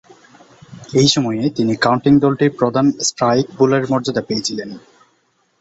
এ সময়ে তিনি কাউন্টি দলটির প্রধান স্ট্রাইক বোলারের মর্যাদা পেয়েছিলেন।